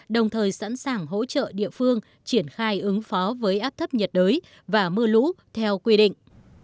đồng thời sẵn sàng hỗ trợ địa phương triển khai ứng phó với áp thấp nhiệt đới và mưa lũ theo quy định